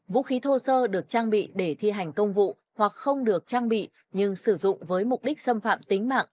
vũ khí thô sơ được trang bị để thi hành công vụ hoặc không được trang bị nhưng sử dụng với mục đích xâm phạm tính mạng